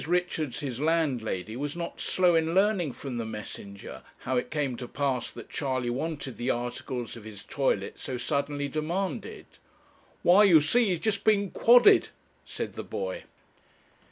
Richards, his landlady, was not slow in learning from the messenger how it came to pass that Charley wanted the articles of his toilet so suddenly demanded. 'Why, you see, he's just been quodded,' said the boy.